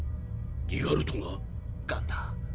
ギガルトが⁉ガンだ。